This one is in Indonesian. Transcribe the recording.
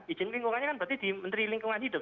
izin lingkungannya kan berarti di menteri lingkungan hidup